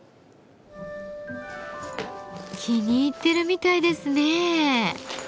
気に入っているみたいですね。